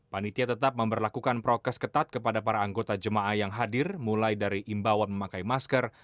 panitia tetap memperlakukan prokes ketat kepada para anggota jemaah yang hadir mulai dari imbauan memakai masker